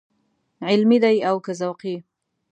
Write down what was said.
علمي دی او که ذوقي.